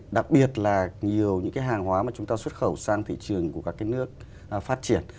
đặc biệt là nhiều hàng hóa mà chúng ta xuất khẩu sang thị trường của các nước phát triển